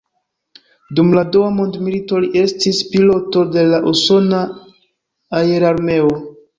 Dum la Dua Mondmilito li estis piloto de la usona aerarmeo.